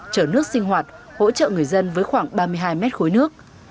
chở nước sinh hoạt hỗ trợ người dân với khoảng ba mươi hai mét khối nước